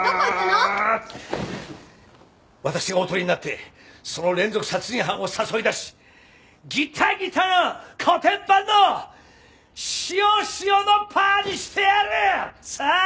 私がおとりになってその連続殺人犯を誘い出しギタギタのコテンパンのシオシオのパーにしてやる！さあ！